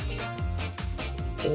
お！